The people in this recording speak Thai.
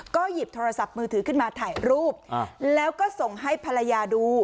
ก็หยิบโทรศัพท์มือถือขึ้นมาถ่ายรูปแล้วก็ส่งให้ภรรยาดู